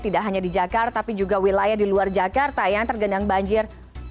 tidak hanya di jakarta tapi juga wilayah di luar jakarta yang tergenang banjir